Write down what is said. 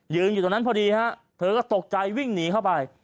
อยู่ตรงนั้นพอดีฮะเธอก็ตกใจวิ่งหนีเข้าไป